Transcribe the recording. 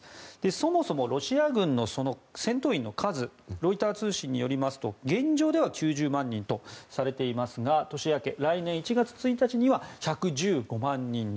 そもそもロシア軍の戦闘員の数ロイター通信によりますと現状では９０万人とされていますが年明け、来年１月１日には１１５万人に。